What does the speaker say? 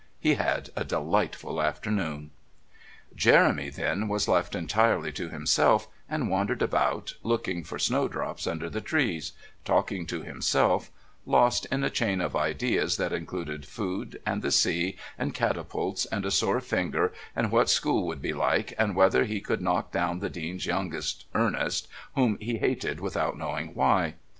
He had a delightful afternoon... Jeremy then was left entirely to himself and wandered about, looking for snowdrops under the trees, talking to himself, lost in a chain of ideas that included food and the sea and catapults and a sore finger and what school would be like and whether he could knock down the Dean's youngest, Ernest, whom he hated without knowing why.